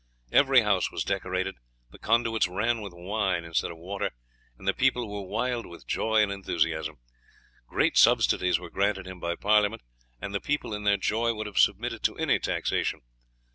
Every house was decorated, the conduits ran with wine instead of water, and the people were wild with joy and enthusiasm. Great subsidies were granted him by Parliament, and the people in their joy would have submitted to any taxation.